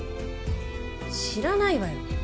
知らないわよ。